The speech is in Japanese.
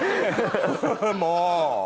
もう！